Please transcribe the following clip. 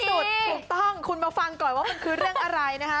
ถูกต้องคุณมาฟังก่อนว่ามันคือเรื่องอะไรนะคะ